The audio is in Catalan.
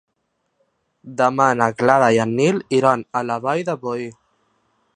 Demà na Clara i en Nil iran a la Vall de Boí.